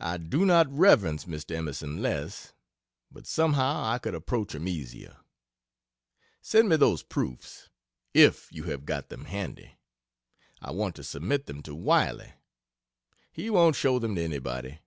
I do not reverence Mr. Emerson less, but somehow I could approach him easier. Send me those proofs, if you have got them handy; I want to submit them to Wylie; he won't show them to anybody.